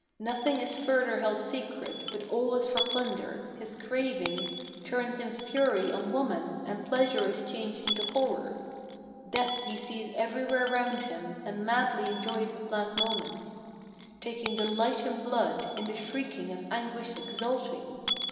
Nothing is further held sacred; but all is for plunder. His craving Turns in fury on woman, and pleasure is changed into horror. Death he sees everywhere round him, and madly enjoys his last moments, "Taking delight in blood, in the shrieking of anguish exulting.